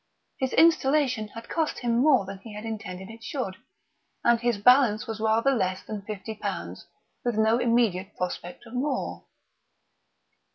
His installation had cost him more than he had intended it should, and his balance was rather less than fifty pounds, with no immediate prospect of more.